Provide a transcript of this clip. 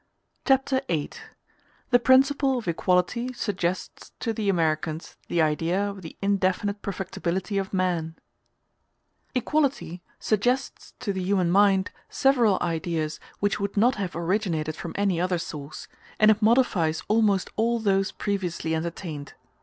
Chapter VIII: The Principle Of Equality Suggests To The Americans The Idea Of The Indefinite Perfectibility Of Man Equality suggests to the human mind several ideas which would not have originated from any other source, and it modifies almost all those previously entertained.